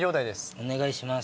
お願いします。